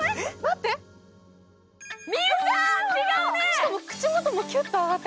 しかも口元もキュッと上がって。